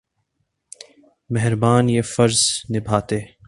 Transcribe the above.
مہربان یہ فرض نبھاتے۔